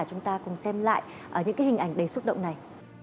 chúng ta cùng xem lại những hình ảnh đầy xúc động này